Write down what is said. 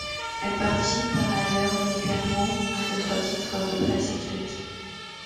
Elle participe par ailleurs régulièrement à d'autres titres de presse écrite.